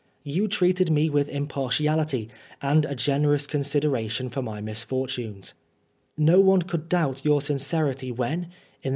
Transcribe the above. You treated me with impartiality, and a generous consideration for my misfortunea No one could doubt your sincerity when, in the